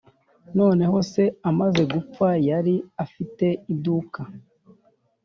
noneho se amaze gupfa, yari afite iduka.